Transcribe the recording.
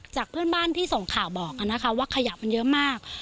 จากเพื่อนบ้านที่ส่งข่าวบอกว่าขยะมันเยอะมาก